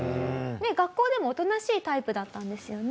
学校でもおとなしいタイプだったんですよね？